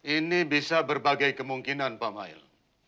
ini bisa berbagai kemungkinan pak mahir